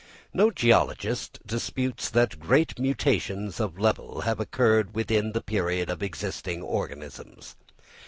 No geologist disputes that great mutations of level have occurred within the period of existing organisms.